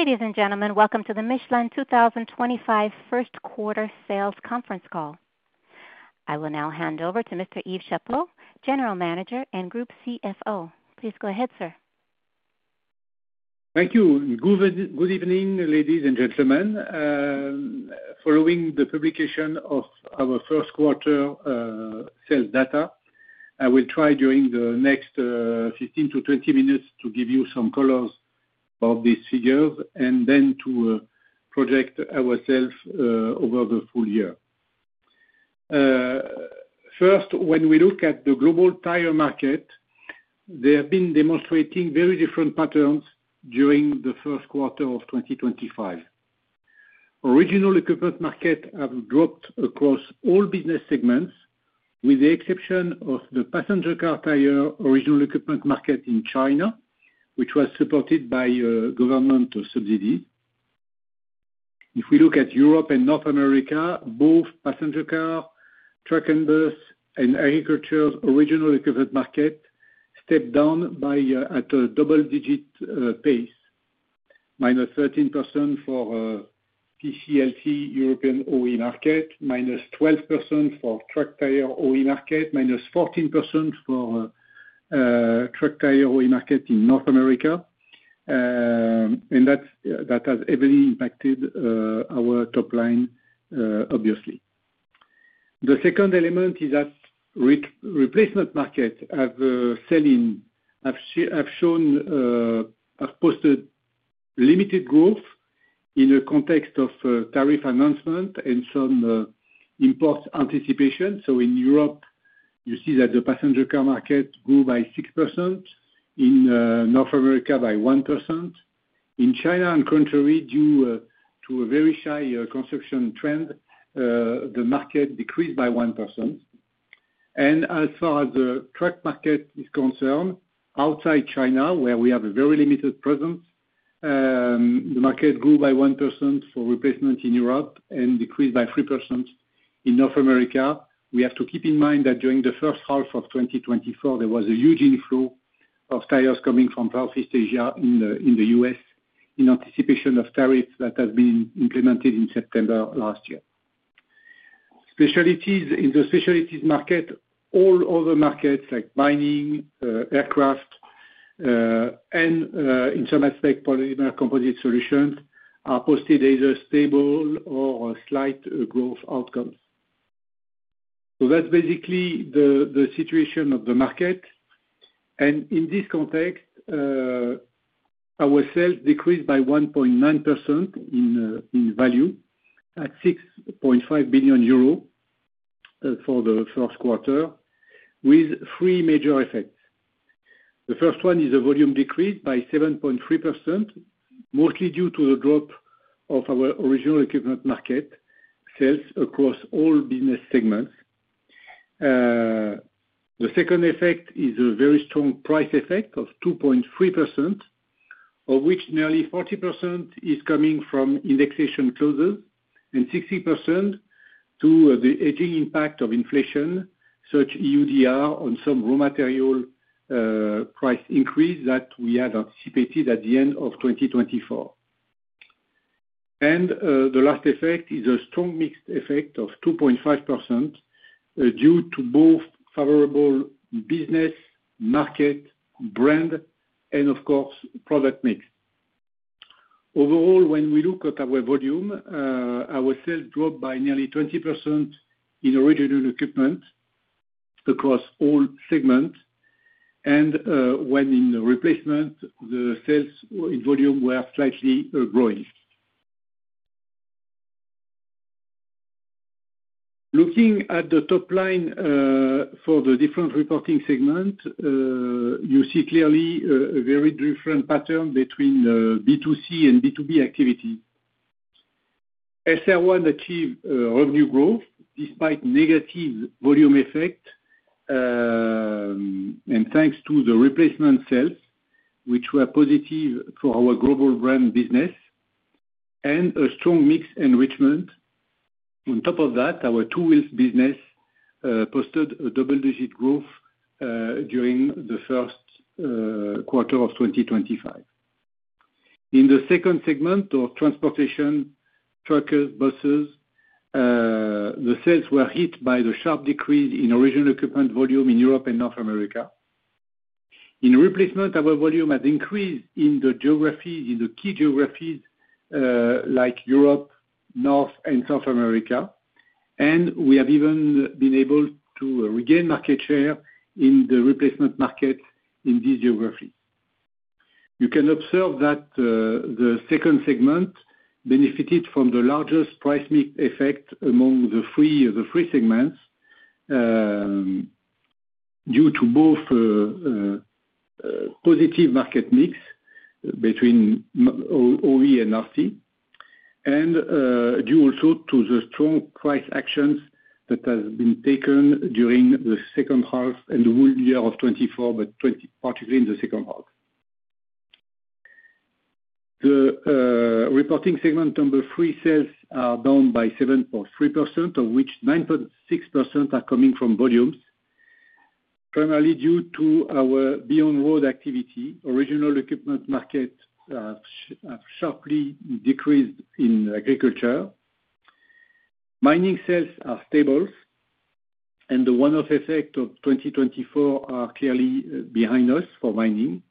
Ladies and gentlemen, welcome to the Michelin 2025 First Quarter Sales Conference Call. I will now hand over to Mr. Yves Chapot, General Manager and Group CFO. Please go ahead, sir. Thank you. Good evening, ladies and gentlemen. Following the publication of our first quarter sales data, I will try during the next 15 to 20 minutes to give you some colors of these figures and then to project ourselves over the full year. First, when we look at the global tire market, they have been demonstrating very different patterns during the first quarter of 2025. Original equipment market has dropped across all business segments, with the exception of the passenger car tire original equipment market in China, which was supported by government subsidies. If we look at Europe and North America, both passenger car, truck, and bus, and agriculture's original equipment market stepped down at a double-digit pace: -13% for PCLT European OE market, -12% for truck tire OE market, -14% for truck tire OE market in North America. That has heavily impacted our top line, obviously. The second element is that replacement markets have shown, have posted limited growth in the context of tariff announcement and some import anticipation. In Europe, you see that the passenger car market grew by 6%, in North America by 1%. In China, and contrary, due to a very shy consumption trend, the market decreased by 1%. As far as the truck market is concerned, outside China, where we have a very limited presence, the market grew by 1% for replacement in Europe and decreased by 3% in North America. We have to keep in mind that during the first half of 2024, there was a huge inflow of tires coming from Southeast Asia in the U.S. in anticipation of tariffs that have been implemented in September last year. Specialties in the specialties market, all other markets like mining, aircraft, and in some aspects, polymer composite solutions are posted either stable or slight growth outcomes. That is basically the situation of the market. In this context, our sales decreased by 1.9% in value at 6.5 billion euro for the first quarter, with three major effects. The first one is a volume decrease by 7.3%, mostly due to the drop of our original equipment market sales across all business segments. The second effect is a very strong price effect of 2.3%, of which nearly 40% is coming from indexation clauses and 60% to the aging impact of inflation, such as EUDR on some raw material price increase that we had anticipated at the end of 2024. The last effect is a strong mix effect of 2.5% due to both favorable business, market, brand, and of course, product mix. Overall, when we look at our volume, our sales dropped by nearly 20% in original equipment across all segments, and when in replacement, the sales in volume were slightly growing. Looking at the top line for the different reporting segments, you see clearly a very different pattern between B2C and B2B activity. SR1 achieved revenue growth despite negative volume effect, and thanks to the replacement sales, which were positive for our global brand business and a strong mix enrichment. On top of that, our two-wheels business posted a double-digit growth during the first quarter of 2025. In the second segment of transportation, truckers, buses, the sales were hit by the sharp decrease in original equipment volume in Europe and North America. In replacement, our volume has increased in the geographies, in the key geographies like Europe, North, and South America. We have even been able to regain market share in the replacement market in these geographies. You can observe that the second segment benefited from the largest price mix effect among the three segments due to both positive market mix between OE and RC, and due also to the strong price actions that have been taken during the second half and the whole year of 2024, but particularly in the second half. The reporting segment number three sales are down by 7.3%, of which 9.6% are coming from volumes, primarily due to our beyond road activity. Original equipment market has sharply decreased in agriculture. Mining sales are stable, and the one-off effects of 2024 are clearly behind us for mining.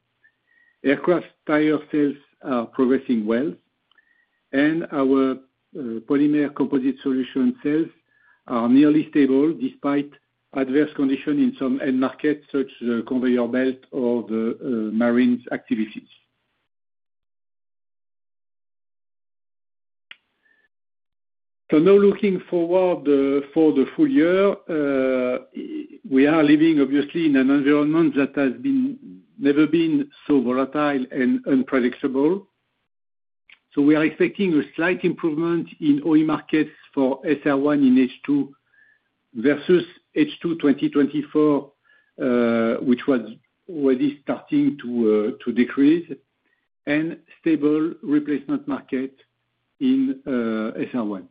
Aircraft tire sales are progressing well, and our polymer composite solution sales are nearly stable despite adverse conditions in some end markets, such as the conveyor belt or the marine activities. Now looking forward for the full year, we are living, obviously, in an environment that has never been so volatile and unpredictable. We are expecting a slight improvement in OE markets for SR1 in H2 versus H2 2024, which was already starting to decrease, and stable replacement market in SR1.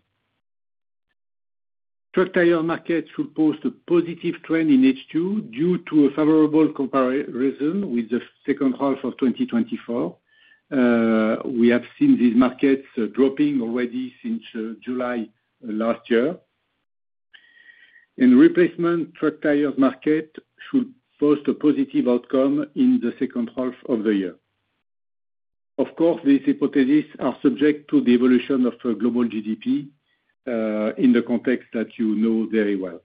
Truck tire market should post a positive trend in H2 due to a favorable comparison with the second half of 2024. We have seen these markets dropping already since July last year. Replacement truck tires market should post a positive outcome in the second half of the year. Of course, these hypotheses are subject to the evolution of global GDP in the context that you know very well.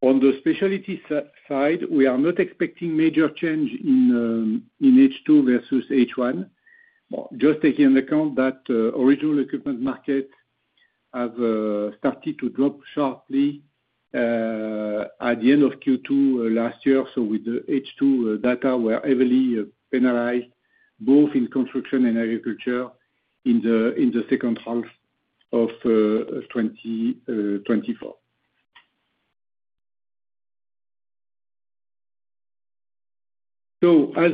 On the specialties side, we are not expecting major change in H2 versus H1, just taking into account that original equipment markets have started to drop sharply at the end of Q2 last year. With the H2 data, we were heavily penalized, both in construction and agriculture in the second half of 2024. As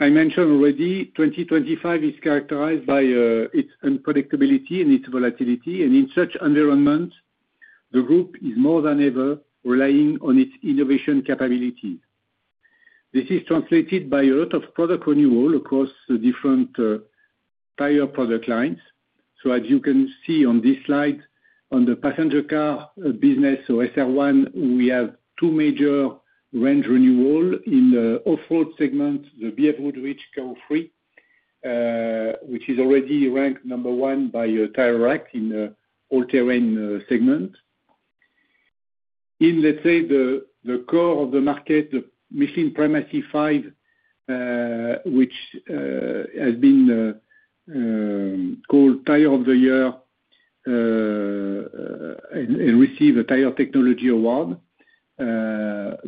I mentioned already, 2025 is characterized by its unpredictability and its volatility. In such environments, the group is more than ever relying on its innovation capabilities. This is translated by a lot of product renewal across different tire product lines. As you can see on this slide, on the passenger car business or SR1, we have two major range renewal in the off-road segment, the BFGoodrich KO3, which is already ranked number one by Tire Rack in the all-terrain segment. In, let's say, the core of the market, the Michelin Primacy 5, which has been called Tire of the Year and received a Tire Technology Award,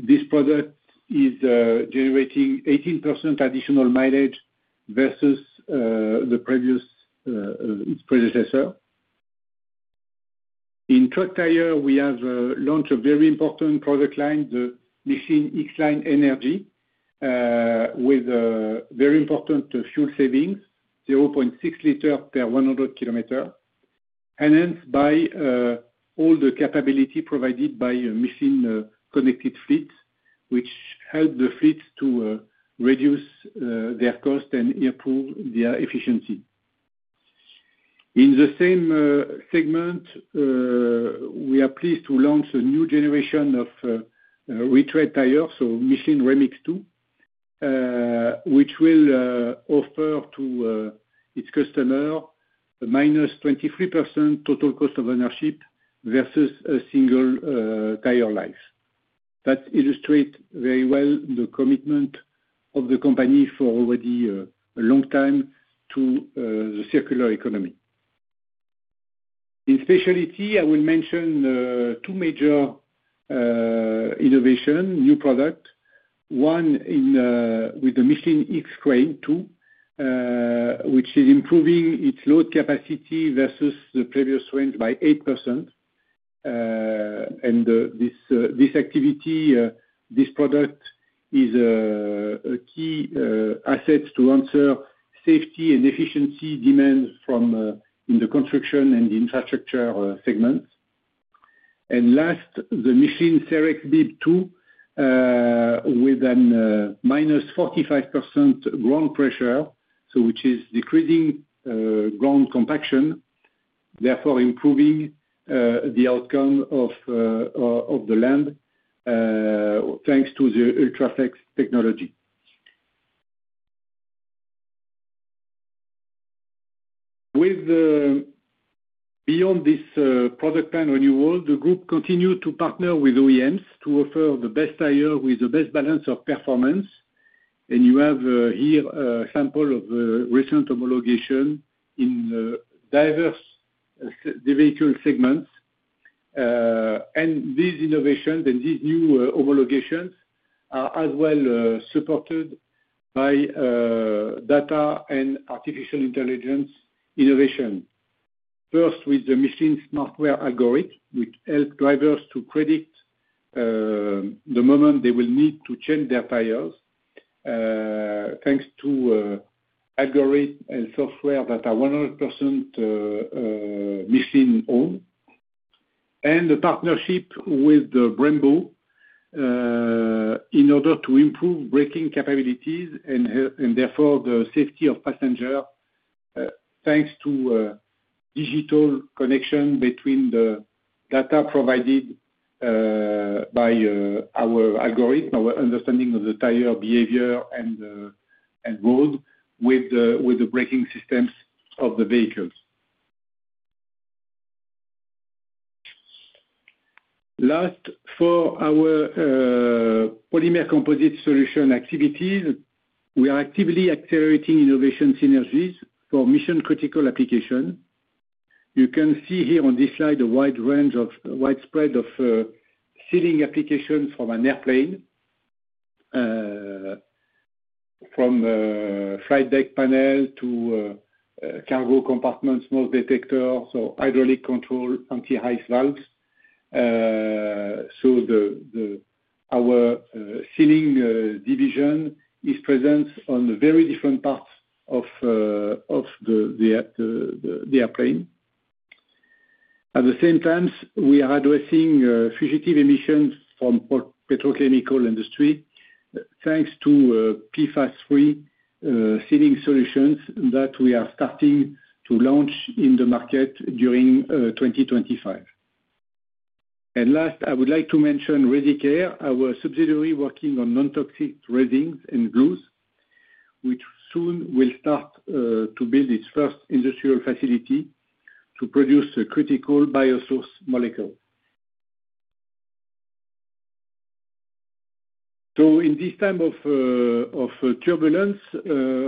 this product is generating 18% additional mileage versus its predecessor. In truck tire, we have launched a very important product line, the Michelin X-Line Energy, with very important fuel savings, 0.6 liters per 100 kilometers, enhanced by all the capability provided by a Michelin Connected Fleet, which helped the fleet to reduce their cost and improve their efficiency. In the same segment, we are pleased to launch a new generation of retread tires, so Michelin REMIX 2, which will offer to its customer minus 23% total cost of ownership versus a single tire life. That illustrates very well the commitment of the company for already a long time to the circular economy. In speciality, I will mention two major innovations, new products. One with the Michelin X-Crane 2, which is improving its load capacity versus the previous range by 8%. This activity, this product is a key asset to answer safety and efficiency demands from the construction and the infrastructure segments. Last, the Michelin Cerexbib 2 with a -45% ground pressure, which is decreasing ground compaction, therefore improving the outcome of the land thanks to the UltraFlex technology. Beyond this product plan renewal, the group continues to partner with OEMs to offer the best tire with the best balance of performance. You have here a sample of the recent homologation in diverse vehicle segments. These innovations and these new homologations are as well supported by data and artificial intelligence innovation. First, with the Michelin SmartWear algorithm, which helps drivers to predict the moment they will need to change their tires, thanks to algorithms and software that are 100% Michelin-owned. The partnership with Brembo is in order to improve braking capabilities and therefore the safety of passengers, thanks to digital connection between the data provided by our algorithm, our understanding of the tire behavior and road with the braking systems of the vehicles. Last, for our polymer composite solution activities, we are actively accelerating innovation synergies for mission-critical applications. You can see here on this slide a wide spread of sealing applications from an airplane, from flight deck panel to cargo compartments, smoke detectors, or hydraulic control anti-high valves. Our sealing division is present on very different parts of the airplane. At the same time, we are addressing fugitive emissions from the petrochemical industry, thanks to PFAS-free sealing solutions that we are starting to launch in the market during 2025. Last, I would like to mention, our subsidiary working on non-toxic resins and glues, which soon will start to build its first industrial facility to produce a critical biosource molecule. In this time of turbulence,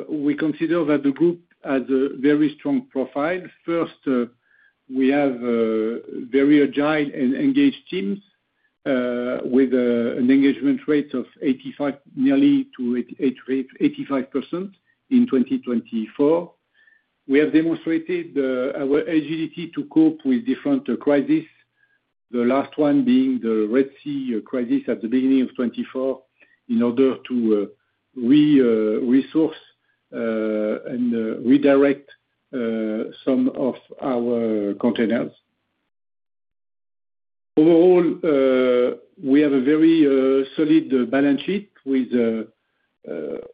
we consider that the group has a very strong profile. First, we have very agile and engaged teams with an engagement rate of nearly 85% in 2024. We have demonstrated our agility to cope with different crises, the last one being the Red Sea crisis at the beginning of 2024, in order to resource and redirect some of our containers. Overall, we have a very solid balance sheet with,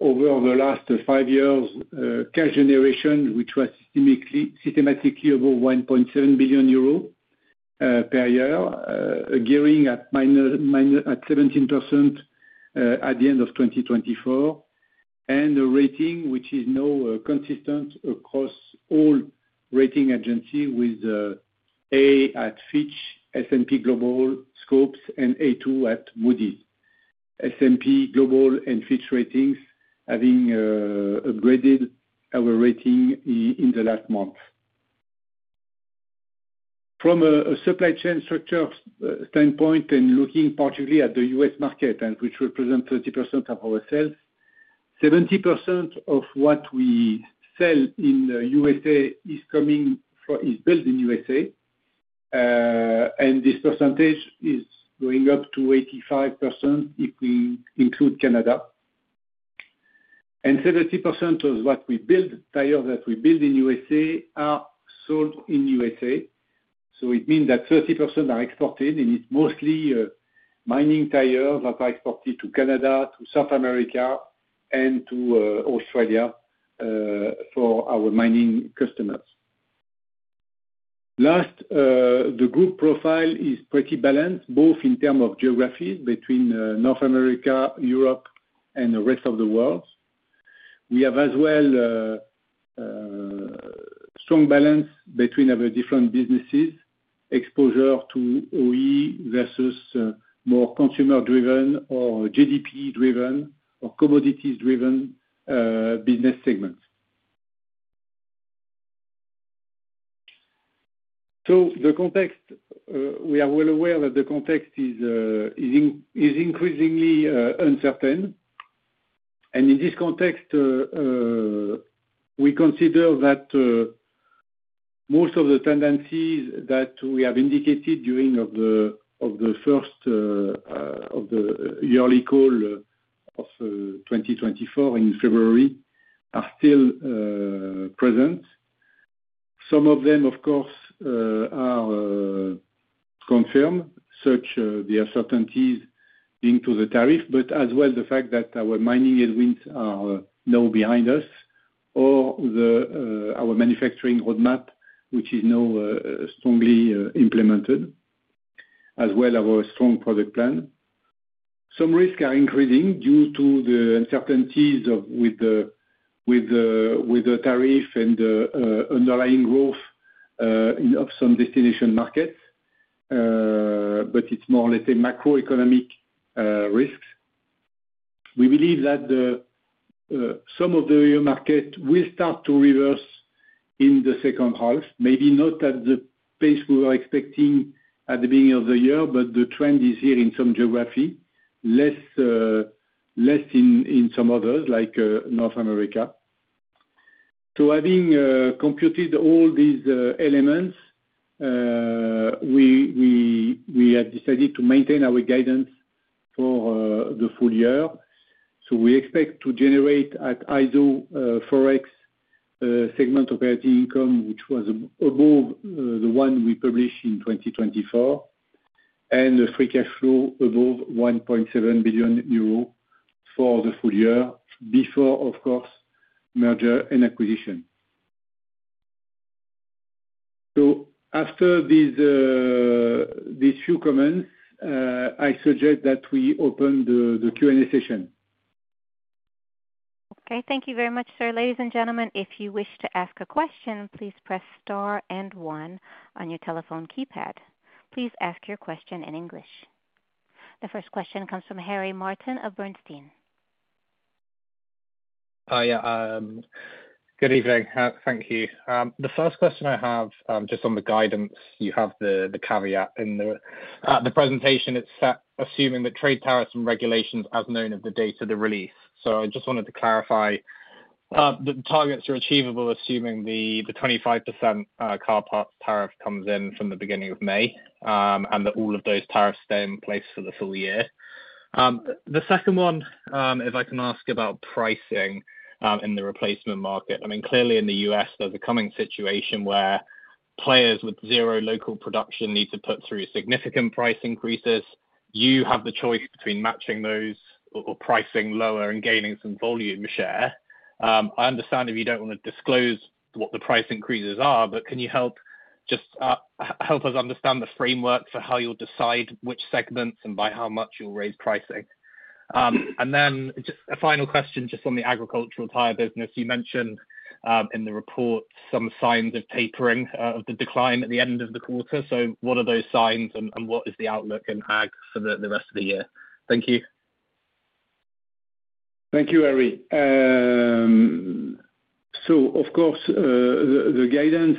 over the last five years, cash generation, which was systematically above 1.7 billion euro per year, gearing at 17% at the end of 2024, and a rating which is now consistent across all rating agencies with A at Fitch, S&P Global, Scope, and A2 at Moody's. S&P Global and Fitch Ratings having upgraded our rating in the last month. From a supply chain structure standpoint and looking particularly at the U.S. market, which represents 30% of our sales, 70% of what we sell in the U.S.A. is built in the U.S.A., and this percentage is going up to 85% if we include Canada. 75% of what we build, tires that we build in the U.S.A., are sold in the U.S.A. It means that 30% are exported, and it is mostly mining tires that are exported to Canada, to South America, and to Australia for our mining customers. Last, the group profile is pretty balanced, both in terms of geographies between North America, Europe, and the rest of the world. We have as well strong balance between our different businesses, exposure to OE versus more consumer-driven or GDP-driven or commodities-driven business segments. We are well aware that the context is increasingly uncertain. In this context, we consider that most of the tendencies that we have indicated during the first of the yearly call of 2024 in February are still present. Some of them, of course, are confirmed, such as the uncertainties linked to the tariff, but as well the fact that our mining headwinds are now behind us, or our manufacturing roadmap, which is now strongly implemented, as well as our strong product plan. Some risks are increasing due to the uncertainties with the tariff and the underlying growth of some destination markets, but it's more, let's say, macroeconomic risks. We believe that some of the markets will start to reverse in the second half, maybe not at the pace we were expecting at the beginning of the year, but the trend is here in some geography, less in some others like North America. Having computed all these elements, we have decided to maintain our guidance for the full year. We expect to generate at iso-Forex segment operating income, which was above the one we published in 2024, and the free cash flow above 1.7 billion euro for the full year before, of course, merger and acquisition. After these few comments, I suggest that we open the Q&A session. Thank you very much, sir. Ladies and gentlemen, if you wish to ask a question, please press star and one on your telephone keypad. Please ask your question in English. The first question comes from Harry Martin of Bernstein. Hiya. Good evening. Thank you. The first question I have just on the guidance, you have the caveat in the presentation. It is assuming the trade tariffs and regulations as known of the date of the release. I just wanted to clarify that the targets are achievable, assuming the 25% car parts tariff comes in from the beginning of May and that all of those tariffs stay in place for the full year. The second one, if I can ask about pricing in the replacement market. I mean, clearly in the U.S., there's a coming situation where players with zero local production need to put through significant price increases. You have the choice between matching those or pricing lower and gaining some volume share. I understand if you do not want to disclose what the price increases are, but can you help us understand the framework for how you'll decide which segments and by how much you'll raise pricing? Just a final question on the agricultural tire business. You mentioned in the report some signs of tapering of the decline at the end of the quarter. What are those signs and what is the outlook in Ag for the rest of the year? Thank you. Thank you, Harry. Of course, the guidance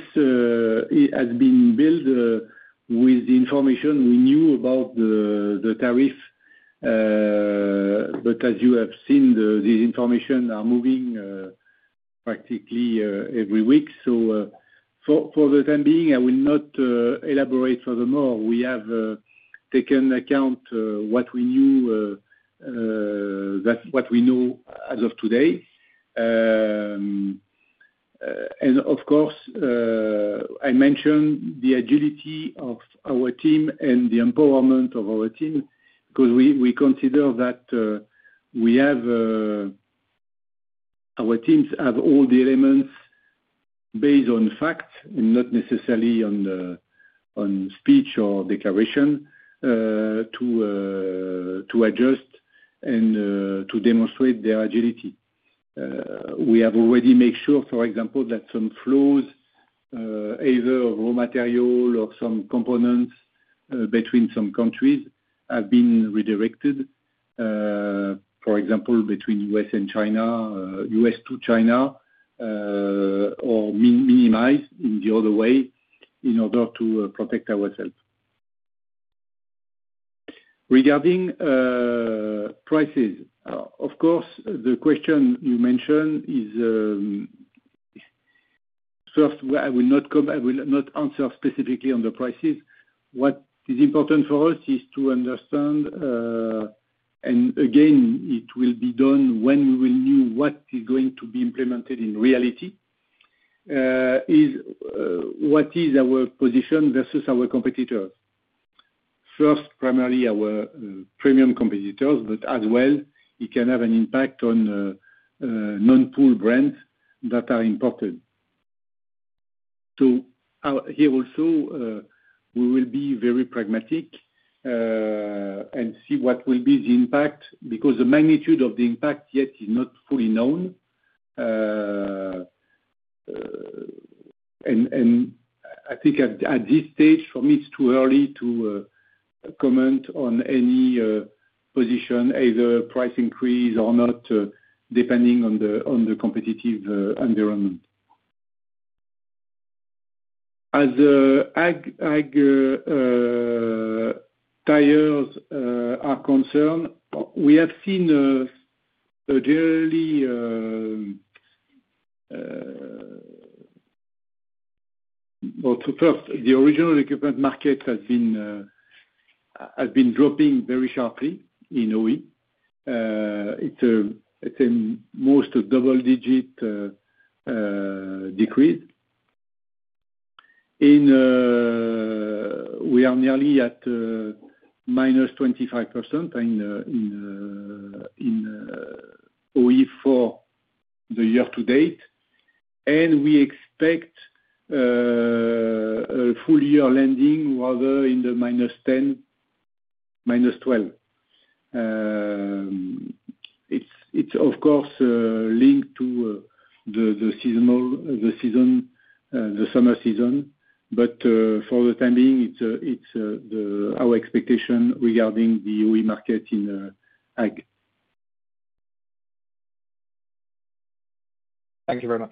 has been built with the information we knew about the tariff. As you have seen, this information is moving practically every week. For the time being, I will not elaborate furthermore. We have taken into account what we knew, what we know as of today. Of course, I mentioned the agility of our team and the empowerment of our team because we consider that our teams have all the elements based on facts and not necessarily on speech or declaration to adjust and to demonstrate their agility. We have already made sure, for example, that some flows, either of raw material or some components between some countries, have been redirected, for example, between U.S. and China, U.S. to China, or minimized in the other way in order to protect ourselves. Regarding prices, of course, the question you mentioned is first, I will not answer specifically on the prices. What is important for us is to understand, and again, it will be done when we will know what is going to be implemented in reality, what is our position versus our competitors. First, primarily our premium competitors, but as well, it can have an impact on non-pool brands that are imported. Here also, we will be very pragmatic and see what will be the impact because the magnitude of the impact yet is not fully known. I think at this stage, for me, it's too early to comment on any position, either price increase or not, depending on the competitive environment. As Ag tires are concerned, we have seen generally first, the original equipment market has been dropping very sharply in OE. It's a most double-digit decrease. We are nearly at -25% in OE for the year to date. We expect a full year landing rather in the -10%, -12%. It's, of course, linked to the summer season, but for the time being, it's our expectation regarding the OE market in Ag. Thank you very much.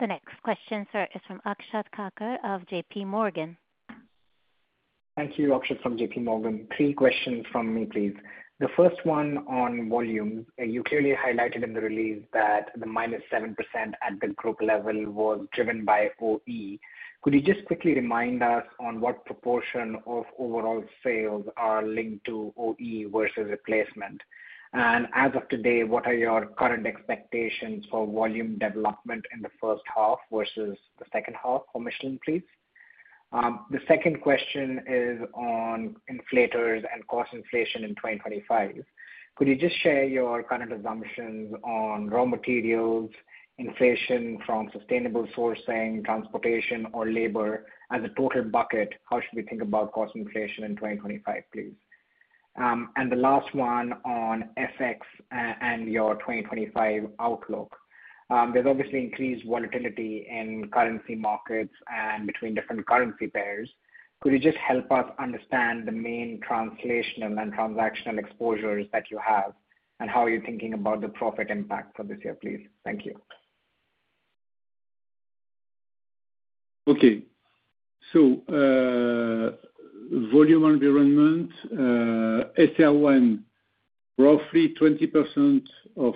The next question, sir, is from Akshat Kacker of JPMorgan. Thank you, Akshat from JPMorgan. Three questions from me, please. The first one on volume, you clearly highlighted in the release that the -7% at the group level was driven by OE. Could you just quickly remind us on what proportion of overall sales are linked to OE versus replacement? As of today, what are your current expectations for volume development in the first half versus the second half for Michelin, please? The second question is on inflators and cost inflation in 2025. Could you just share your current assumptions on raw materials, inflation from sustainable sourcing, transportation, or labor as a total bucket? How should we think about cost inflation in 2025, please? The last one on FX and your 2025 outlook. There is obviously increased volatility in currency markets and between different currency pairs. Could you just help us understand the main translational and transactional exposures that you have and how you're thinking about the profit impact for this year, please? Thank you. Okay. Volume environment, SR1, roughly 20% of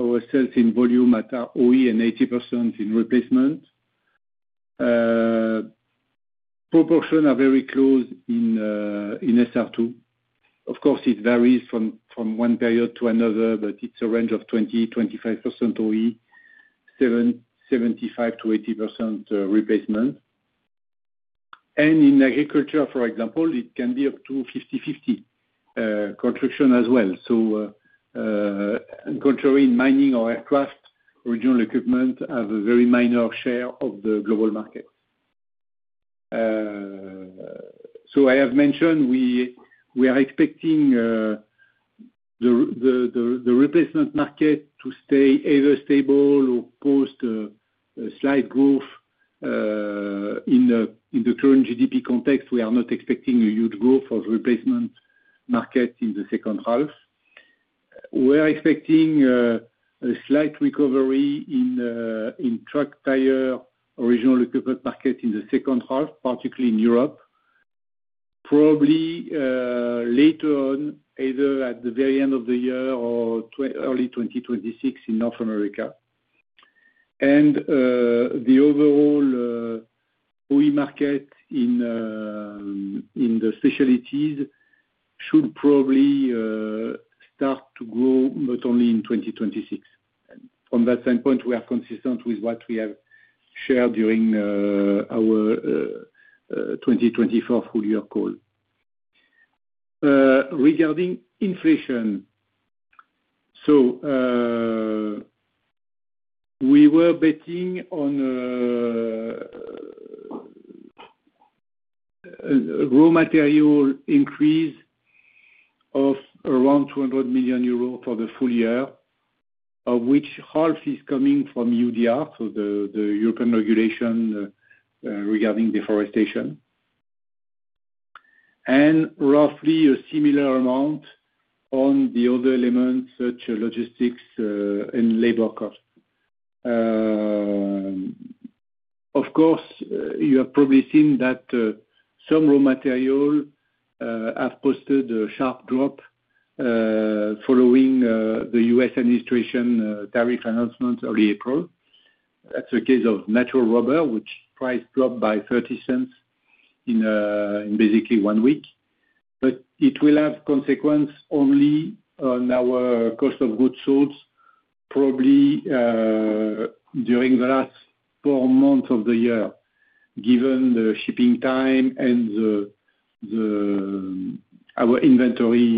our sales in volume at OE and 80% in replacement. Proportions are very close in SR2. Of course, it varies from one period to another, but it's a range of 20%-25% OE, 75%-80% replacement. In agriculture, for example, it can be up to 50/50, construction as well. Contrary in mining or aircraft, regional equipment have a very minor share of the global market. I have mentioned we are expecting the replacement market to stay either stable or post slight growth. In the current GDP context, we are not expecting a huge growth of replacement market in the second half. We are expecting a slight recovery in truck tire original equipment market in the second half, particularly in Europe, probably later on, either at the very end of the year or early 2026 in North America. The overall OE market in the specialties should probably start to grow not only in 2026. From that standpoint, we are consistent with what we have shared during our 2024 full year call. Regarding inflation, we were betting on raw material increase of around 200 million euros for the full year, of which half is coming from EUDR, the European regulation regarding deforestation, and roughly a similar amount on the other elements such as logistics and labor costs. Of course, you have probably seen that some raw material have posted a sharp drop following the U.S. administration tariff announcement early April. That is the case of natural rubber, which price dropped by $0.30 in basically one week. It will have consequence only on our cost of goods sold, probably during the last four months of the year, given the shipping time and our inventory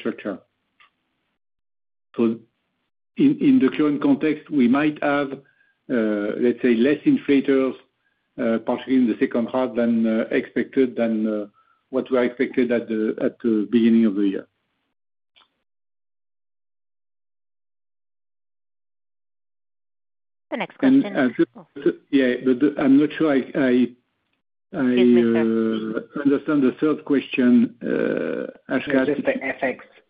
structure. In the current context, we might have, let's say, less inflators, particularly in the second half, than expected, than what we expected at the beginning of the year. The next question. Yeah, but I'm not sure I understand the third question, Akshat. Just the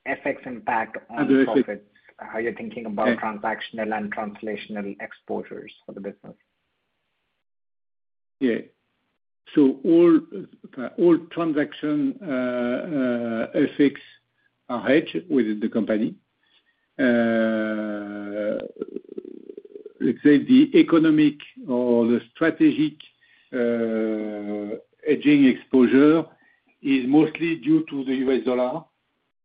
FX impact on profits, how you're thinking about transactional and translational exposures for the business. Yeah. All transaction FX are hedged with the company. Let's say the economic or the strategic hedging exposure is mostly due to the U.S. dollar,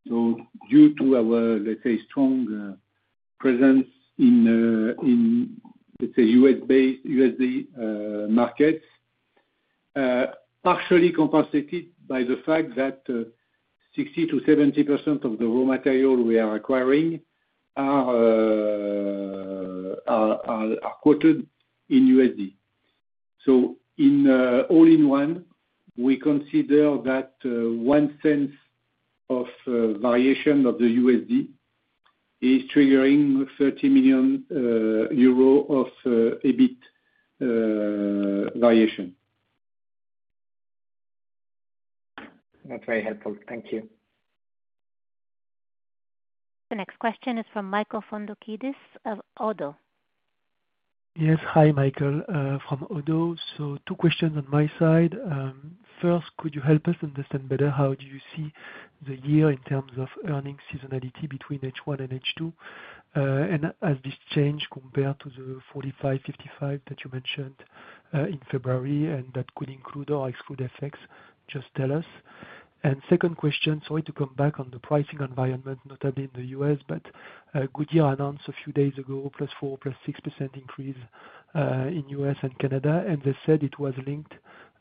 so due to our, let's say, strong presence in, let's say, U.S. markets, partially compensated by the fact that 60%-70% of the raw material we are acquiring are quoted in USD. All in one, we consider that one cent of variation of the USD is triggering 30 million euro of EBIT variation. That's very helpful. Thank you. The next question is from Michael Foundoukidis of ODDO. Yes. Hi, Michael. From Oddo. Two questions on my side. First, could you help us understand better how you see the year in terms of earning seasonality between H1 and H2, and has this changed compared to the 45-55 that you mentioned in February, and that could include or exclude FX? Just tell us. Second question, sorry to come back on the pricing environment, notably in the U.S., but Goodyear announced a few days ago +4%, +6% increase in U.S. and Canada, and they said it was linked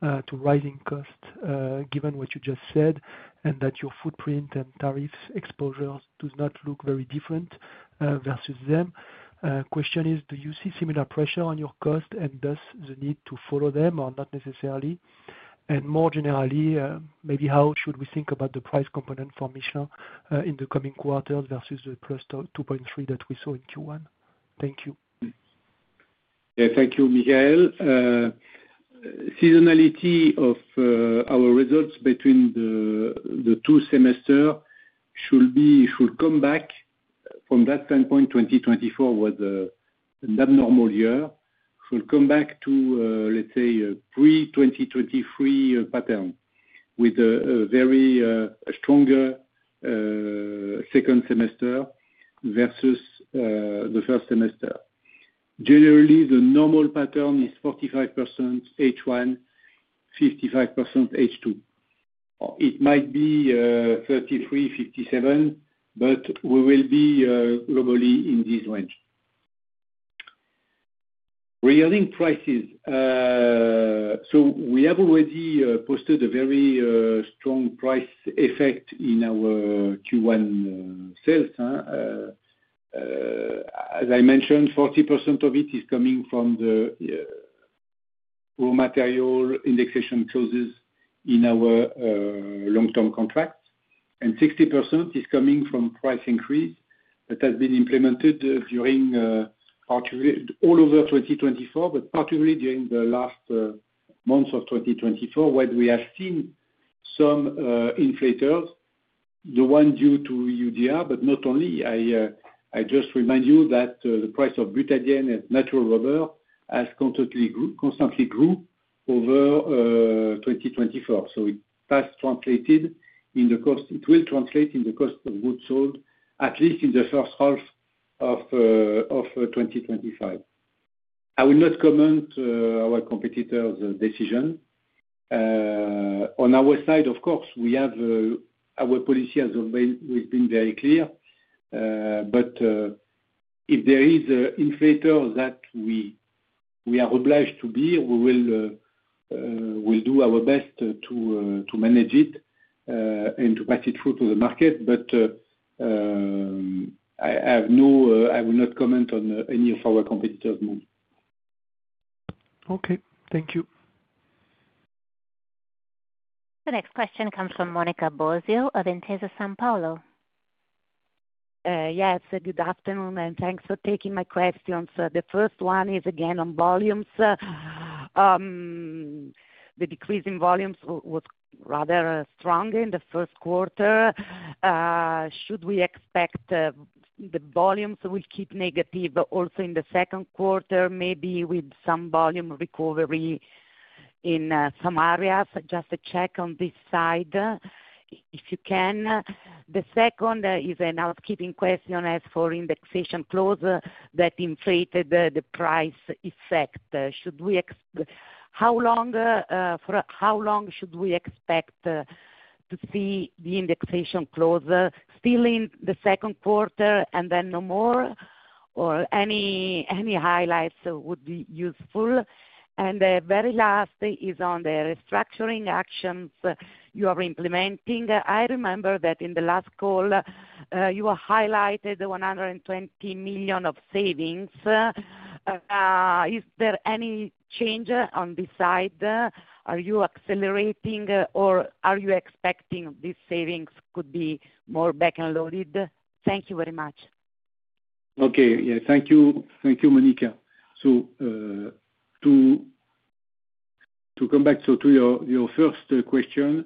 to rising costs, given what you just said, and that your footprint and tariff exposures do not look very different versus them. Question is, do you see similar pressure on your cost and thus the need to follow them or not necessarily? More generally, maybe how should we think about the price component for Michelin in the coming quarters versus the +2.3% that we saw in Q1? Thank you. Yeah, thank you, Michael. Seasonality of our results between the two semesters should come back. From that standpoint, 2024 was an abnormal year. It should come back to, let's say, a pre-2023 pattern with a very stronger second semester versus the first semester. Generally, the normal pattern is 45% H1, 55% H2. It might be 33-57, but we will be globally in this range. Regarding prices, we have already posted a very strong price effect in our Q1 sales. As I mentioned, 40% of it is coming from the raw material indexation clauses in our long-term contracts, and 60% is coming from price increase that has been implemented all over 2024, but particularly during the last months of 2024, where we have seen some inflators, the one due to EUDR, but not only. I just remind you that the price of butadiene and natural rubber has constantly grown over 2024. It has translated in the cost; it will translate in the cost of goods sold, at least in the first half of 2025. I will not comment on our competitors' decision. On our side, of course, our policy has been very clear, but if there is an inflator that we are obliged to be, we will do our best to manage it and to pass it through to the market. I will not comment on any of our competitors' moves. Okay. Thank you. The next question comes from Monica Bosio of Intesa Sanpaolo. Yes, good afternoon, and thanks for taking my questions. The first one is, again, on volumes. The decrease in volumes was rather strong in the first quarter. Should we expect the volumes will keep negative also in the second quarter, maybe with some volume recovery in some areas? Just a check on this side if you can. The second is an upkeeping question as for indexation clause that inflated the price effect. How long should we expect to see the indexation clause still in the second quarter and then no more, or any highlights would be useful? The very last is on the restructuring actions you are implementing. I remember that in the last call, you highlighted 120 million of savings. Is there any change on this side? Are you accelerating, or are you expecting these savings could be more back and loaded? Thank you very much. Okay. Yeah, thank you. Thank you, Monica. To come back to your first question,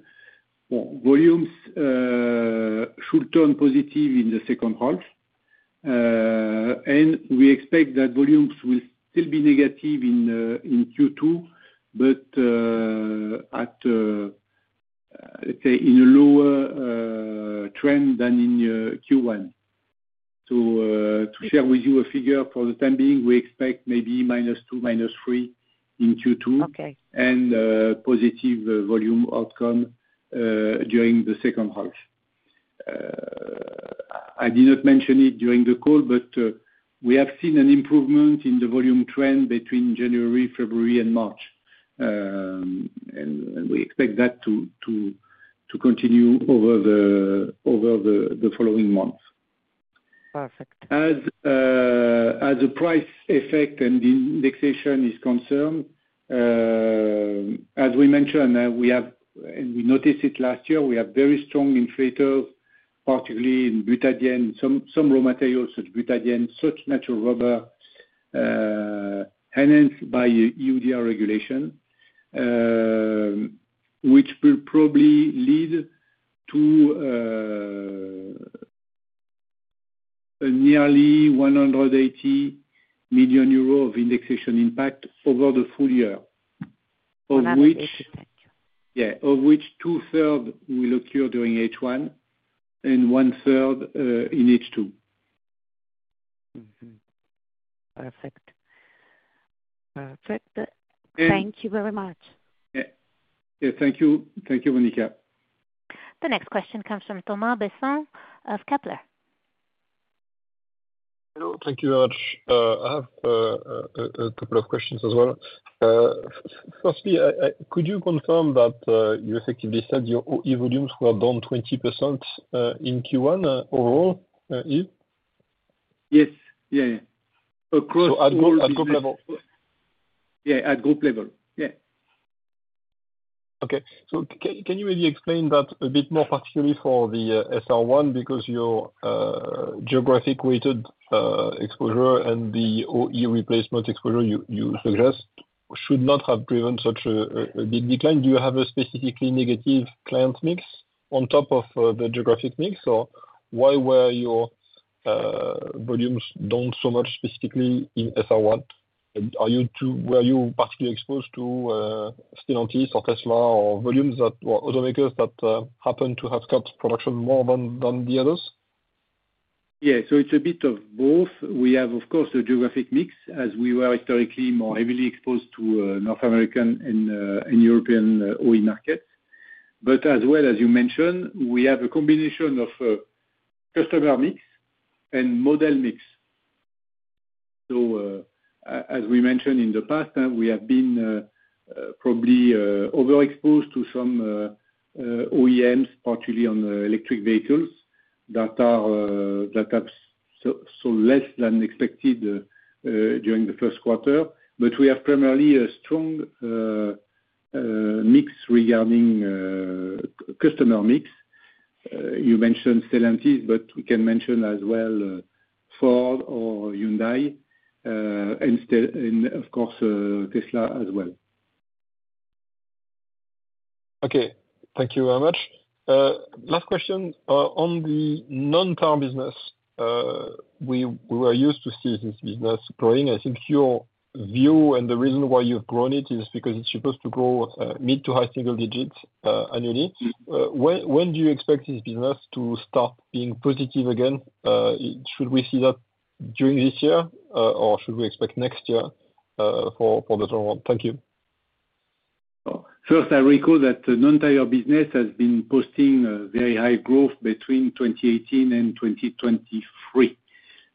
volumes should turn positive in the second half, and we expect that volumes will still be negative in Q2, but at, let's say, in a lower trend than in Q1. To share with you a figure, for the time being, we expect maybe -2%, -3% in Q2, and positive volume outcome during the second half. I did not mention it during the call, but we have seen an improvement in the volume trend between January, February, and March, and we expect that to continue over the following months. Perfect. As the price effect and indexation is concerned, as we mentioned, and we noticed it last year, we have very strong inflators, particularly in butadiene, some raw materials such as butadiene, such as natural rubber, hence by EUDR regulation, which will probably lead to a nearly 180 million euro of indexation impact over the full year, of which. Yeah, of which 2/3 will occur during H1 and 1/3 in H2. Perfect. Perfect. Thank you very much. Yeah. Yeah. Thank you. Thank you, Monica. The next question comes from Thomas Besson of Kepler. Hello. Thank you very much. I have a couple of questions as well. Firstly, could you confirm that you effectively said your OE volumes were down 20% in Q1 overall? Yes. Yeah, yeah. Across the whole. Yeah, at group level. Yeah. Okay. Can you maybe explain that a bit more particularly for the SR1 because your geographic weighted exposure and the OE replacement exposure you suggest should not have driven such a big decline? Do you have a specifically negative client mix on top of the geographic mix, or why were your volumes down so much specifically in SR1? Were you particularly exposed to Stellantis or Tesla or automakers that happened to have cut production more than the others? Yeah. It is a bit of both. We have, of course, the geographic mix as we were historically more heavily exposed to North American and European OE markets. As well, as you mentioned, we have a combination of customer mix and model mix. As we mentioned in the past, we have been probably overexposed to some OEMs, particularly on electric vehicles that have sold less than expected during the first quarter. We have primarily a strong mix regarding customer mix. You mentioned Stellantis, but we can mention as well Ford or Hyundai, and of course, Tesla as well. Okay. Thank you very much. Last question. On the non-car business, we were used to see this business growing. I think your view and the reason why you've grown it is because it's supposed to grow mid to high single digits annually. When do you expect this business to start being positive again? Should we see that during this year, or should we expect next year for the long run? Thank you. First, I recall that the non-tire business has been posting very high growth between 2018 and 2023.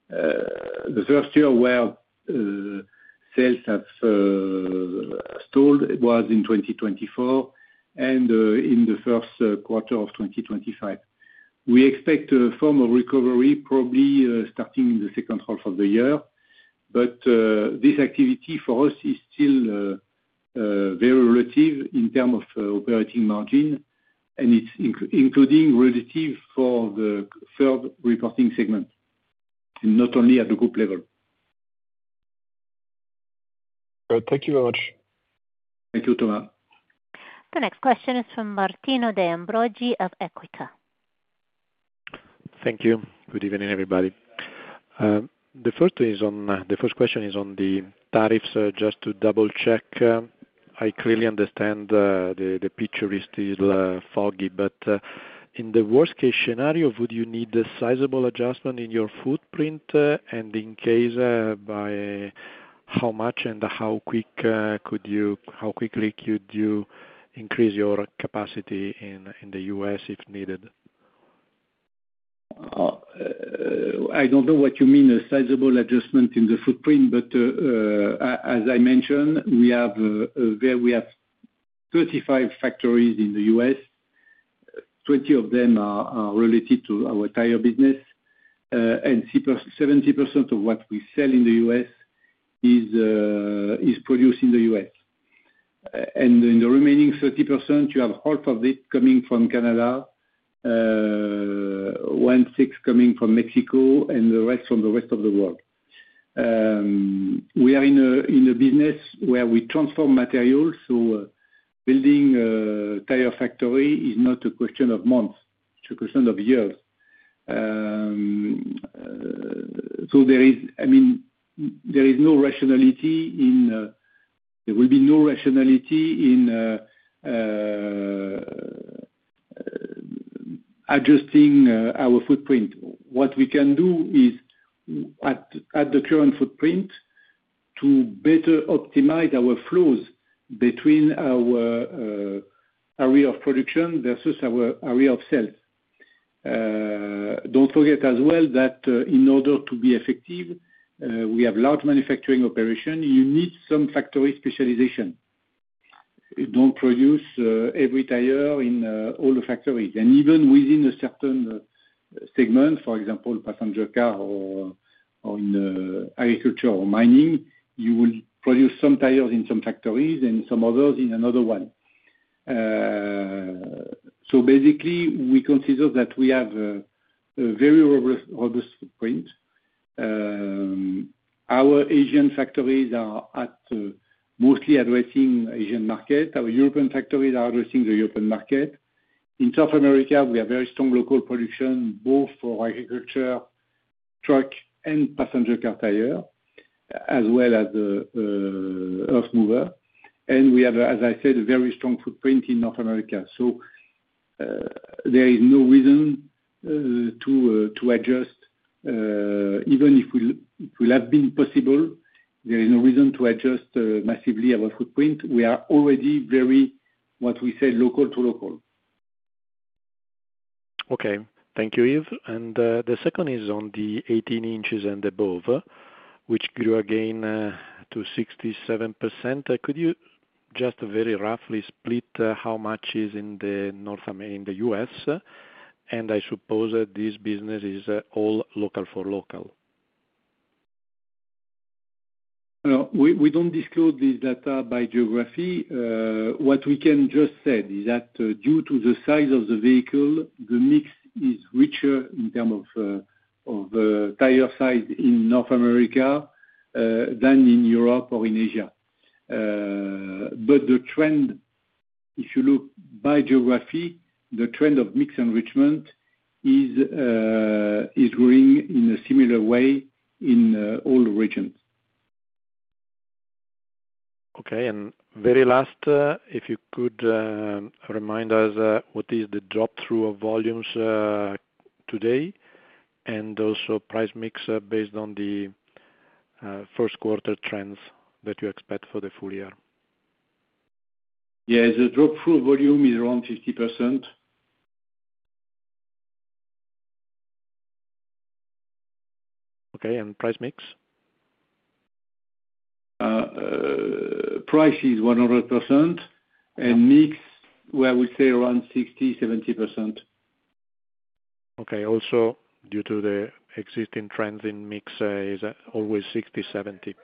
The first year where sales have stalled was in 2024 and in the first quarter of 2025. We expect a form of recovery probably starting in the second half of the year, but this activity for us is still very relative in terms of operating margin, and it's including relative for the third reporting segment, not only at the group level. Thank you very much. Thank you, Thomas. The next question is from Martino De Ambroggi of EQUITA. Thank you. Good evening, everybody. The first question is on the tariffs. Just to double-check, I clearly understand the picture is still foggy, but in the worst-case scenario, would you need a sizable adjustment in your footprint, and in case, by how much and how quickly could you increase your capacity in the U.S. if needed? I don't know what you mean, a sizable adjustment in the footprint, but as I mentioned, we have 35 factories in the U.S. 20 of them are related to our tire business, and 70% of what we sell in the U.S. is produced in the U.S. In the remaining 30%, you have 1/2 of it coming from Canada, 1/6 coming from Mexico, and the rest from the rest of the world. We are in a business where we transform materials, so building a tire factory is not a question of months. It's a question of years. I mean, there is no rationality in there will be no rationality in adjusting our footprint. What we can do is, at the current footprint, to better optimize our flows between our area of production versus our area of sales. Don't forget as well that in order to be effective, we have large manufacturing operations. You need some factory specialization. Don't produce every tire in all the factories. Even within a certain segment, for example, passenger car or in agriculture or mining, you will produce some tires in some factories and some others in another one. Basically, we consider that we have a very robust footprint. Our Asian factories are mostly addressing the Asian market. Our European factories are addressing the European market. In South America, we have very strong local production, both for agriculture, truck, and passenger car tire, as well as earth mover. We have, as I said, a very strong footprint in North America. There is no reason to adjust. Even if it would have been possible, there is no reason to adjust massively our footprint. We are already very, what we say, local to local. Okay. Thank you, Yves. The second is on the 18 inches and above, which grew again to 67%. Could you just very roughly split how much is in the U.S.? I suppose this business is all local for local. We do not disclose this data by geography. What we can just say is that due to the size of the vehicle, the mix is richer in terms of tire size in North America than in Europe or in Asia. The trend, if you look by geography, the trend of mix enrichment is growing in a similar way in all regions. Okay. Very last, if you could remind us what is the drop-through of volumes today and also price mix based on the first quarter trends that you expect for the full year? Yeah. The drop-through volume is around 50%. Okay. And price mix? Price is 100%, and mix, I would say around 60%-70%. Okay. Also due to the existing trends in mix, is it always 60%-70%?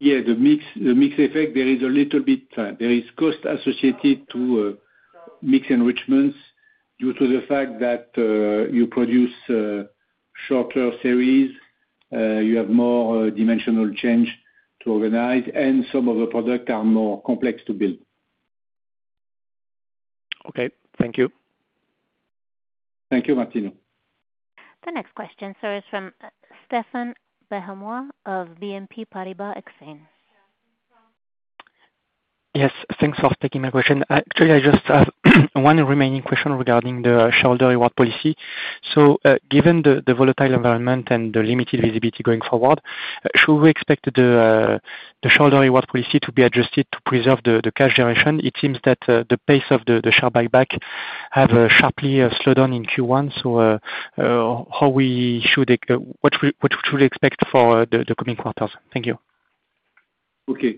Yeah. The mix effect, there is a little bit, there is cost associated to mix enrichments due to the fact that you produce shorter series. You have more dimensional change to organize, and some of the products are more complex to build. Okay. Thank you. Thank you, Martino. The next question, sir, is from Stephane Benhamou of BNP Paribas Exane. Yes. Thanks for taking my question. Actually, I just have one remaining question regarding the shareholder reward policy. Given the volatile environment and the limited visibility going forward, should we expect the shareholder reward policy to be adjusted to preserve the cash generation? It seems that the pace of the share buyback has sharply slowed down in Q1. So how should we expect for the coming quarters? Thank you. Okay.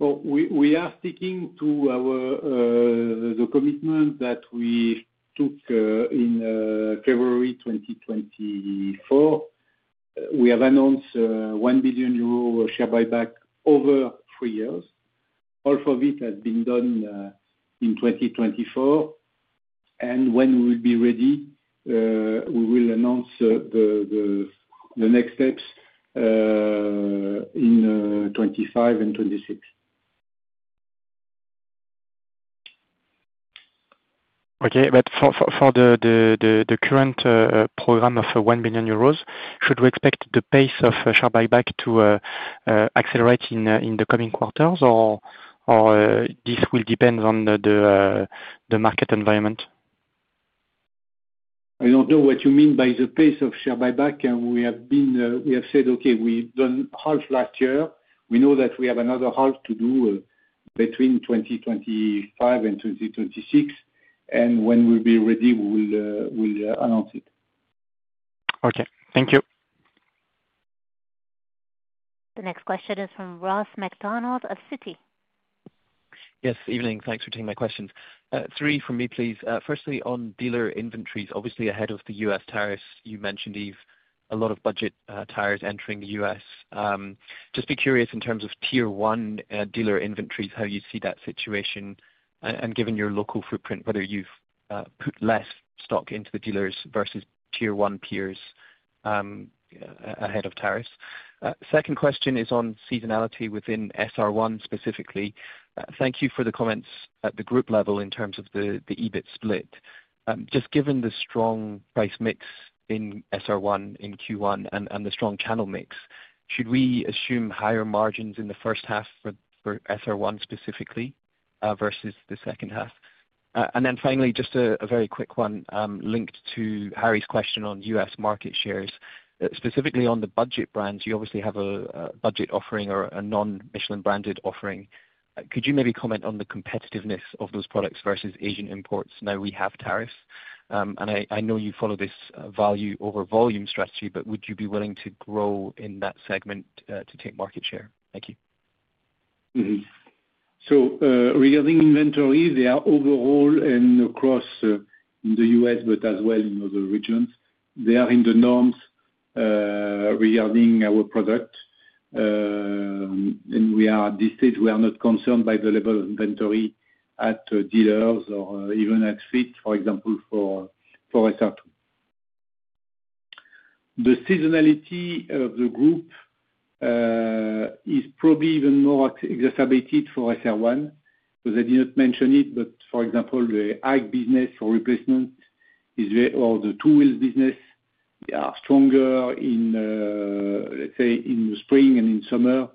We are sticking to the commitment that we took in February 2024. We have announced 1 billion euro share buyback over three years. Half of it has been done in 2024. When we will be ready, we will announce the next steps in 2025 and 2026. Okay. For the current program of 1 billion euros, should we expect the pace of share buyback to accelerate in the coming quarters, or this will depend on the market environment? I do not know what you mean by the pace of share buyback. We have said, "Okay, we have done half last year." We know that we have another half to do between 2025 and 2026. When we will be ready, we will announce it. Okay. Thank you. The next question is from Ross MacDonald of Citi. Yes. Good evening. Thanks for taking my questions. Three for me, please. Firstly, on dealer inventories, obviously ahead of the U.S. tariffs, you mentioned, Yves, a lot of budget tires entering the U.S. Just be curious in terms of tier one dealer inventories, how you see that situation, and given your local footprint, whether you've put less stock into the dealers versus tier one peers ahead of tariffs. Second question is on seasonality within SR1 specifically. Thank you for the comments at the group level in terms of the EBIT split. Just given the strong price mix in SR1 in Q1 and the strong channel mix, should we assume higher margins in the first half for SR1 specifically versus the second half? And then finally, just a very quick one linked to Harry's question on U.S. market shares. Specifically on the budget brands, you obviously have a budget offering or a non-Michelin-branded offering. Could you maybe comment on the competitiveness of those products versus Asian imports? Now we have tariffs. I know you follow this value over volume strategy, but would you be willing to grow in that segment to take market share? Thank you. Regarding inventory, they are overall and across the U.S., but as well in other regions. They are in the norms regarding our product. At this stage, we are not concerned by the level of inventory at dealers or even at fleets, for example, for SR2. The seasonality of the group is probably even more exacerbated for SR1. I did not mention it, but for example, the Ag business for replacement or the two-wheel business are stronger in, let's say, in the spring and in summer,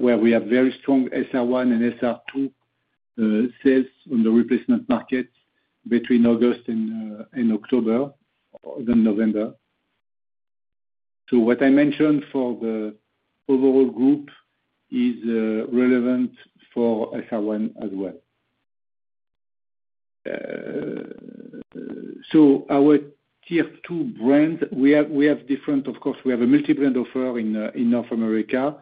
where we have very strong SR1 and SR2 sales on the replacement market between August and October and November. What I mentioned for the overall group is relevant for SR1 as well. Our tier two brands, we have different, of course, we have a multi-brand offer in North America.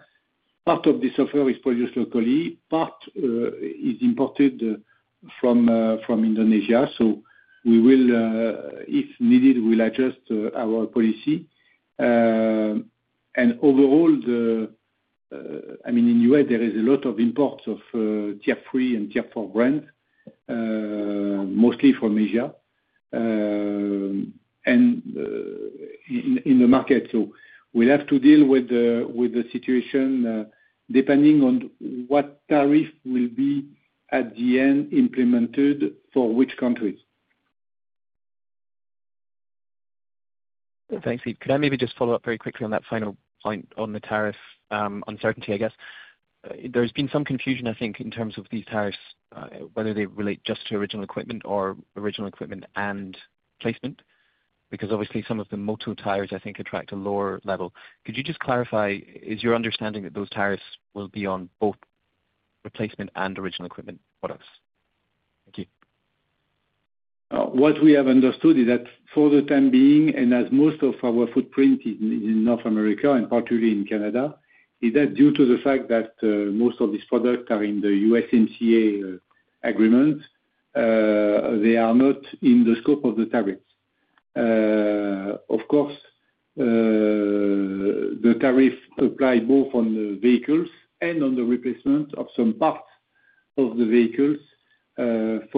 Part of this offer is produced locally. Part is imported from Indonesia. If needed, we'll adjust our policy. Overall, I mean, in the U.S., there is a lot of imports of tier three and tier four brands, mostly from Asia and in the market. We'll have to deal with the situation depending on what tariff will be at the end implemented for which countries. Thanks, Yves. Could I maybe just follow up very quickly on that final point on the tariff uncertainty, I guess? There's been some confusion, I think, in terms of these tariffs, whether they relate just to original equipment or original equipment and replacement, because obviously some of the motor tires, I think, attract a lower level. Could you just clarify? Is your understanding that those tariffs will be on both replacement and original equipment products? Thank you. What we have understood is that for the time being, and as most of our footprint is in North America and partly in Canada, is that due to the fact that most of these products are in the USMCA agreement, they are not in the scope of the tariffs. Of course, the tariff applies both on the vehicles and on the replacement of some parts of the vehicles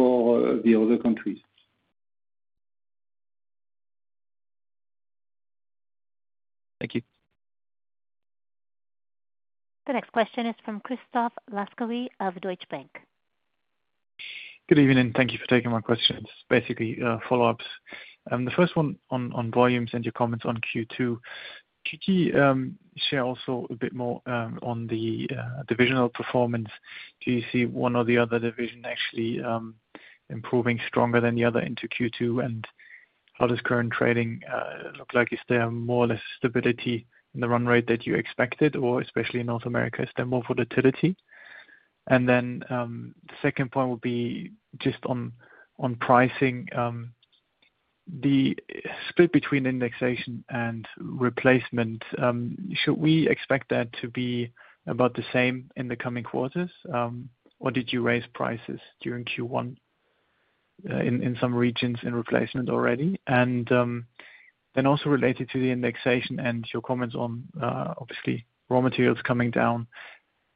for the other countries. Thank you. The next question is from Christoph Laskawi of Deutsche Bank. Good evening, and thank you for taking my questions. Basically, follow-ups. The first one on volumes and your comments on Q2. Could you share also a bit more on the divisional performance? Do you see one or the other division actually improving stronger than the other into Q2? How does current trading look like? Is there more or less stability in the run rate that you expected, or especially in North America, is there more volatility? The second point would be just on pricing. The split between indexation and replacement, should we expect that to be about the same in the coming quarters, or did you raise prices during Q1 in some regions in replacement already? Also related to the indexation and your comments on, obviously, raw materials coming down,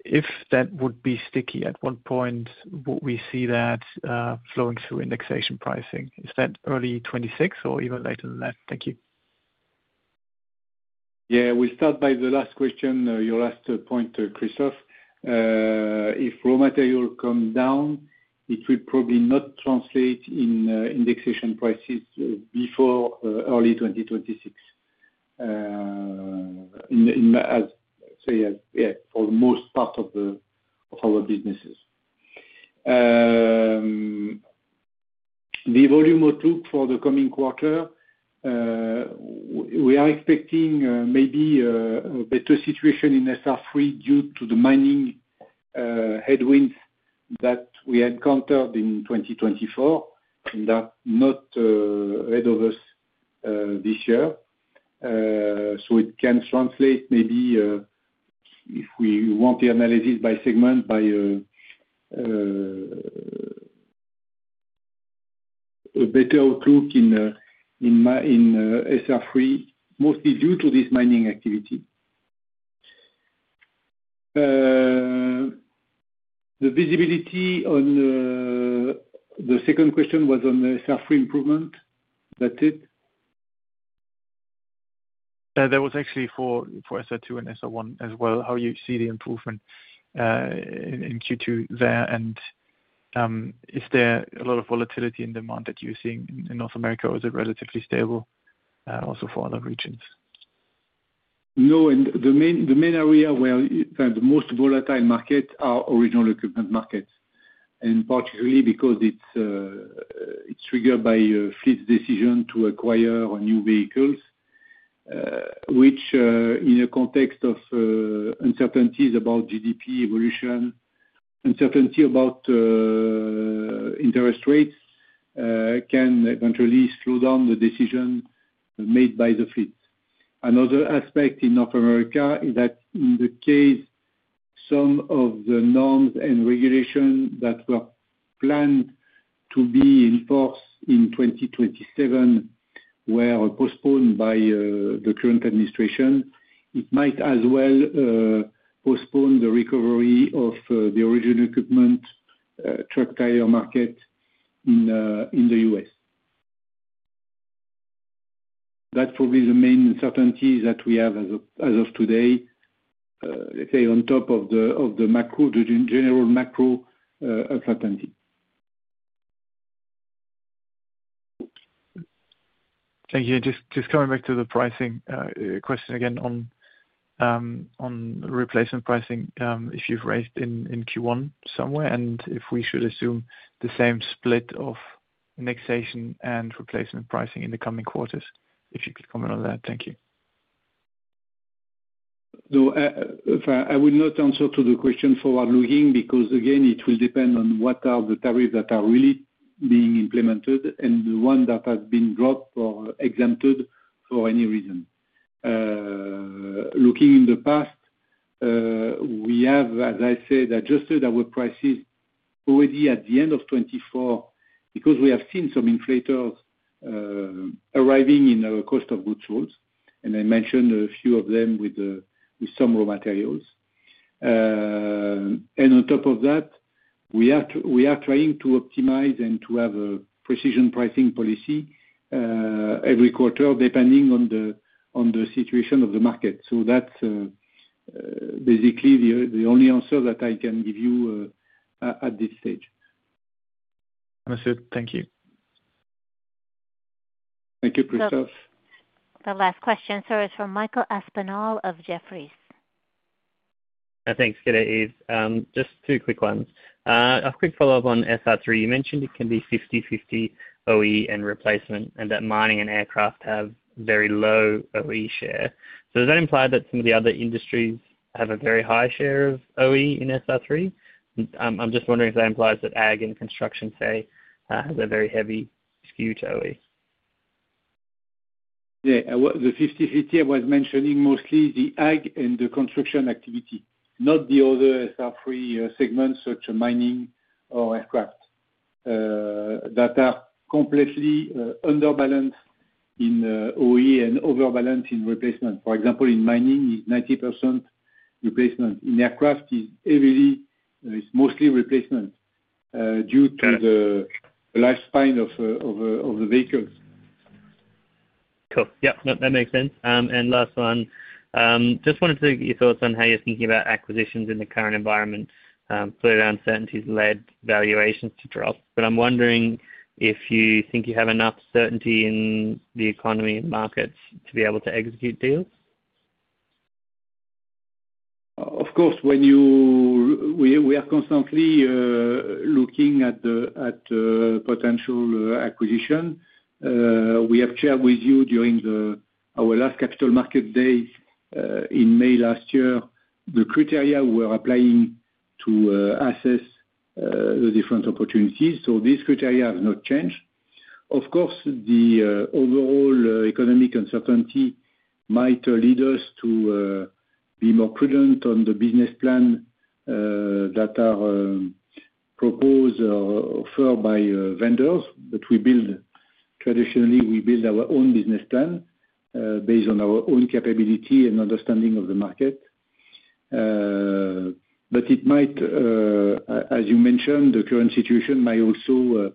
if that would be sticky, at what point would we see that flowing through indexation pricing? Is that early 2026 or even later than that? Thank you. Yeah. We start by the last question, your last point, Christoph. If raw material comes down, it will probably not translate in indexation prices before early 2026, say, for the most part of our businesses. The volume would look for the coming quarter. We are expecting maybe a better situation in SR3 due to the mining headwinds that we encountered in 2024, not ahead of us this year. It can translate maybe if we want the analysis by segment, by a better outlook in SR3, mostly due to this mining activity. The visibility on the second question was on the SR3 improvement. That's it. There was actually for SR2 and SR1 as well, how you see the improvement in Q2 there. Is there a lot of volatility in demand that you're seeing in North America, or is it relatively stable also for other regions? No. The main area where the most volatile markets are is original equipment markets, particularly because it's triggered by fleet's decision to acquire new vehicles, which in the context of uncertainties about GDP evolution, uncertainty about interest rates can eventually slow down the decision made by the fleets. Another aspect in North America is that in the case, some of the norms and regulations that were planned to be in force in 2027 were postponed by the current administration. It might as well postpone the recovery of the original equipment truck tire market in the U.S. That's probably the main uncertainty that we have as of today, let's say, on top of the general macro uncertainty. Thank you. Just coming back to the pricing question again on replacement pricing, if you've raised in Q1 somewhere, and if we should assume the same split of indexation and replacement pricing in the coming quarters, if you could comment on that. Thank you. No, I will not answer to the question forward-looking because, again, it will depend on what are the tariffs that are really being implemented and the one that has been dropped or exempted for any reason. Looking in the past, we have, as I said, adjusted our prices already at the end of 2024 because we have seen some inflators arriving in our cost of goods sold. And I mentioned a few of them with some raw materials. On top of that, we are trying to optimize and to have a precision pricing policy every quarter depending on the situation of the market. That is basically the only answer that I can give you at this stage. That is it. Thank you. Thank you, Christoph. The last question, sir, is from Michael Aspinall of Jefferies. Thanks, Guérin. Yves. Just two quick ones. A quick follow-up on SR3. You mentioned it can be 50/50 OE and replacement, and that mining and aircraft have very low OE share. Does that imply that some of the other industries have a very high share of OE in SR3? I am just wondering if that implies that Ag and construction, say, has a very heavy skew to OE. Yeah. The 50/50 I was mentioning mostly the Ag and the construction activity, not the other SR3 segments such as mining or aircraft that are completely underbalanced in OE and overbalanced in replacement. For example, in mining, it's 90% replacement. In aircraft, it's mostly replacement due to the lifespan of the vehicles. Cool. Yep. That makes sense. Last one, just wanted to get your thoughts on how you're thinking about acquisitions in the current environment, clear uncertainties led valuations to drop. I'm wondering if you think you have enough certainty in the economy and markets to be able to execute deals. Of course. We are constantly looking at potential acquisition. We have shared with you during our last capital market day in May last year, the criteria we were applying to assess the different opportunities. These criteria have not changed. Of course, the overall economic uncertainty might lead us to be more prudent on the business plan that are proposed or offered by vendors. Traditionally, we build our own business plan based on our own capability and understanding of the market. It might, as you mentioned, the current situation might also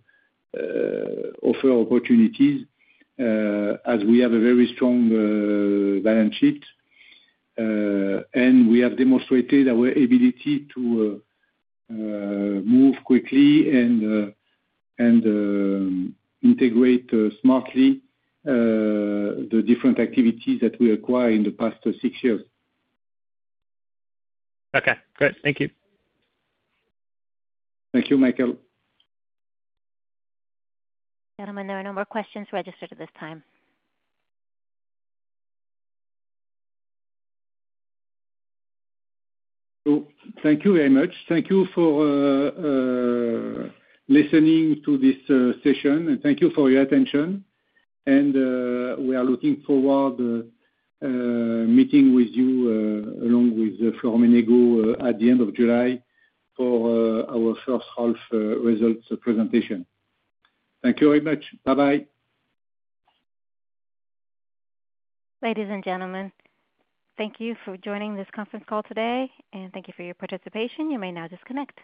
offer opportunities as we have a very strong balance sheet, and we have demonstrated our ability to move quickly and integrate smartly the different activities that we acquired in the past six years. Okay. Great. Thank you. Thank you, Michael. Gentlemen, there are no more questions registered at this time. Thank you very much. Thank you for listening to this session. Thank you for your attention. We are looking forward to meeting with you along with Florent Menegaux at the end of July for our first half results presentation. Thank you very much. Bye-bye. Ladies and gentlemen, thank you for joining this conference call today, and thank you for your participation. You may now disconnect.